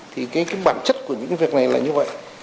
thì cái bản chất của những việc này là như vậy